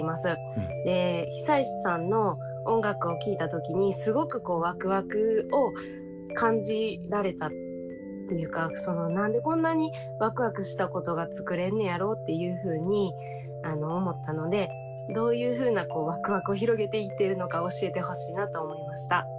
久石さんの音楽を聴いた時にすごくワクワクを感じられたっていうか何でこんなにワクワクしたことが作れんねやろっていうふうに思ったのでどういうふうなワクワクを広げていってるのか教えてほしいなと思いました。